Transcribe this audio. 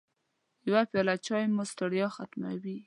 يوه پیاله چای مو ستړیا ختموي.